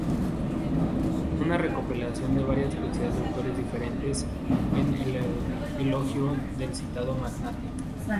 Es una recopilación de varias poesías de autores diferentes, en elogio del citado magnate.